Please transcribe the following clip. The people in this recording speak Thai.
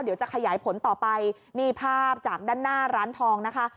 เดี๋ยวจะขยายผลต่อไปนี่ภาพจากด้านหน้าร้านทองนะคะ